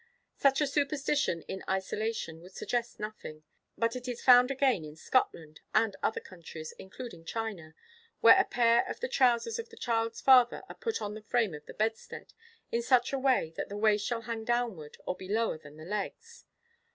Such a superstition in isolation would suggest nothing; but it is found again in Scotland, and other countries, including China, where 'a pair of the trousers of the child's father are put on the frame of the bedstead in such a way that the waist shall hang downward or be lower than the legs.